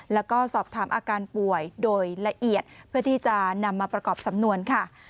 แล้วก็สอบถามอาการป่วยโดยละเอียดเพื่อที่จะนำมาประกอบสำนวนค่ะ